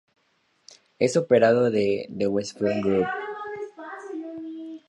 Es operado por The Westfield Group.